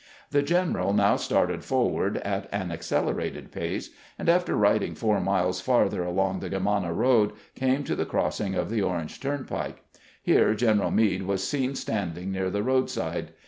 The general now started forward at an accelerated pace, and, after riding four miles farther along the Grermanna road, came to the crossing of the Orange turnpike. Here General Meade was seen standing near the roadside.